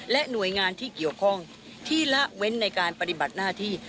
หน่วยงานที่เกี่ยวข้องที่ละเว้นในการปฏิบัติหน้าที่